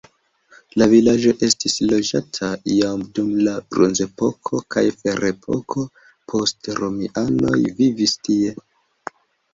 La vilaĝo estis loĝata jam dum la bronzepoko kaj ferepoko poste romianoj vivis tie.